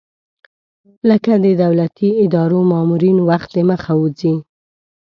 لکه د دولتي ادارو مامورین وخت دمخه وځي.